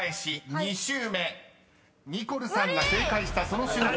［２周目ニコルさんが正解したその瞬間